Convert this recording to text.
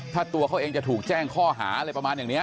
ถ้าตัวเขาเองจะถูกแจ้งข้อหาอะไรประมาณอย่างนี้